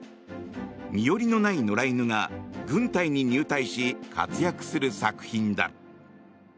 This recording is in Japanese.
身寄りのない野良犬が軍隊に入隊し活躍する作品だ。